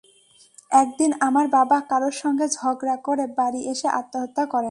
একদিন আমার বাবা কারও সঙ্গে ঝগড়া করে বাড়ি এসে আত্মহত্যা করেন।